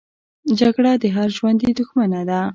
جګړه د هر ژوندي دښمنه ده